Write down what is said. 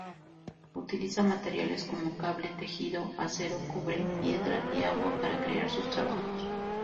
Utiliza materiales como cable, tejido, acero, cobre, piedra y agua para crear sus trabajos.